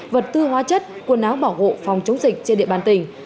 vật tư hóa chất quần áo bảo hộ phòng chống dịch trên địa bàn tỉnh